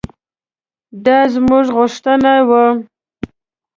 دا زموږ غوښتنه وه.